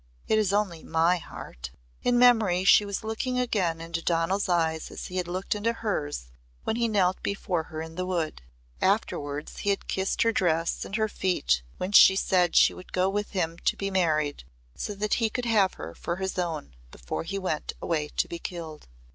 It is only my heart." In memory she was looking again into Donal's eyes as he had looked into hers when he knelt before her in the wood. Afterwards he had kissed her dress and her feet when she said she would go with him to be married so that he could have her for his own before he went away to be killed.